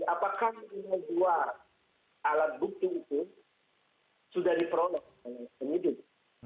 apakah dua alat bukti itu sudah diperoleh oleh penyidik